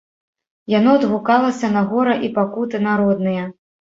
Яно адгукалася на гора і пакуты народныя.